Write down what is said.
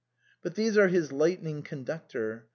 But these are his light ning conductor.